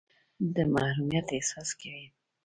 د محرومیت احساس کوئ.